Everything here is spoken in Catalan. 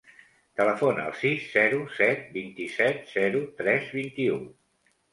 Telefona al sis, zero, set, vint-i-set, zero, tres, vint-i-u.